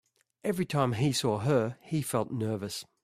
Every time he saw her, he felt nervous.